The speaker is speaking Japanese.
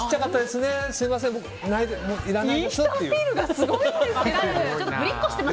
すみません、いらないですって。